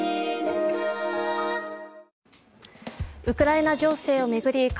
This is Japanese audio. ウクライナ情勢を巡り